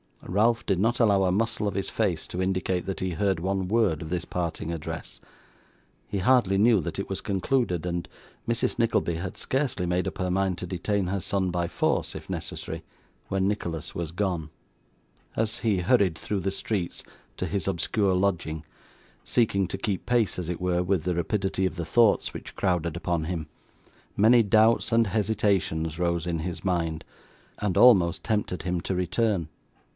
Ralph did not allow a muscle of his face to indicate that he heard one word of this parting address. He hardly knew that it was concluded, and Mrs. Nickleby had scarcely made up her mind to detain her son by force if necessary, when Nicholas was gone. As he hurried through the streets to his obscure lodging, seeking to keep pace, as it were, with the rapidity of the thoughts which crowded upon him, many doubts and hesitations arose in his mind, and almost tempted him to return.